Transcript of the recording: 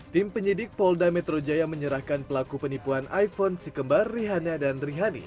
tim penyidik polda metro jaya menyerahkan pelaku penipuan iphone sikembar rihanna dan rihani